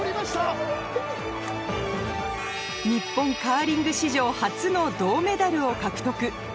日本カーリング史上初の銅メダルを獲得